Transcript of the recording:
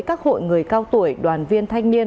các hội người cao tuổi đoàn viên thanh niên